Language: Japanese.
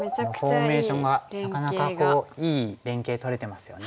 フォーメーションがなかなかいい連携取れてますよね。